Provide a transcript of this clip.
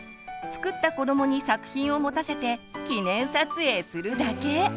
作った子どもに作品を持たせて記念撮影するだけ！